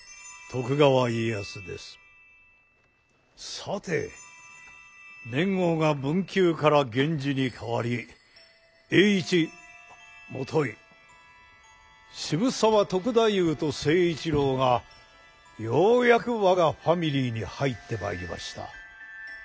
さぁて年号が文久から元治にかわり栄一もとい渋沢篤太夫と成一郎がようやく我がファミリーに入ってまいりました！